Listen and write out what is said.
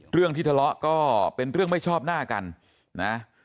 เรื่องที่ทะเลาะก็เป็นเรื่องไม่ชอบหน้ากันนะ